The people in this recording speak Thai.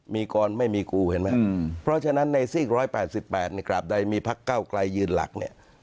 มีกรไม่มีกูเห็นไหมเพราะฉะนั้นในซีก๑๘๘ในกราบใดมีพักเก้าไกลยืนหลักเนี่ย